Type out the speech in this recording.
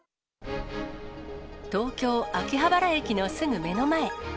東京・秋葉原駅のすぐ目の前。